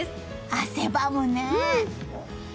汗ばむね！